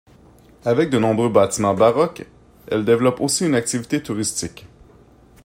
Avec de nombreux bâtiments baroques, elle développe aussi une activité touristique.